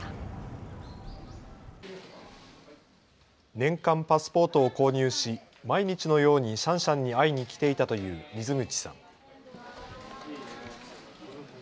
年間パスポートを購入し毎日のようにシャンシャンに会いに来ていたという水口さん。